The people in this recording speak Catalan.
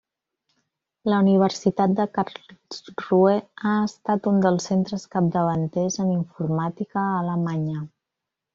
La Universitat de Karlsruhe ha estat un dels centres capdavanters en informàtica a Alemanya.